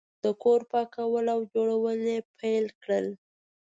د کور پاکول او جوړول یې پیل کړل.